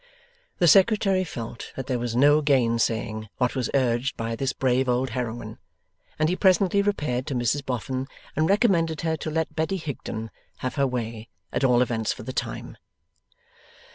The Secretary felt that there was no gainsaying what was urged by this brave old heroine, and he presently repaired to Mrs Boffin and recommended her to let Betty Higden have her way, at all events for the time.